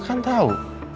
mama kan tahu